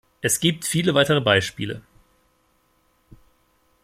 Es gibt viele weitere Beispiele.